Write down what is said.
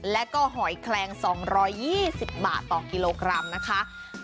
และก็หอยแคลง๒๒๐บาทต่อกิโลกรัมนะคะ